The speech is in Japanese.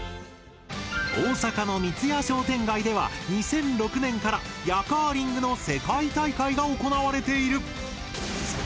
大阪の三津屋商店街では２００６年からヤカーリングの世界大会が行われている。